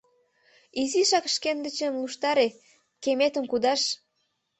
— Изишак шкендычым луштаре, кеметым кудаш...